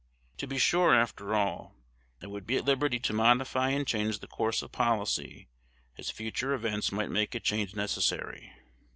To be sure, after all, I would be at liberty to modify and change the course of policy as future events might make a change necessary.